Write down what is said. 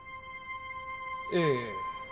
ええ。